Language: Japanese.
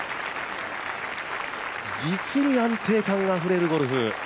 実に安定感あふれるゴルフ。